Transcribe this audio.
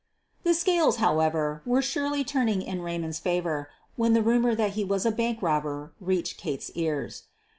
The scales, how ever, were surely turning in Raymond's favor when the rumor that he was a bank robber reached Kate's ears.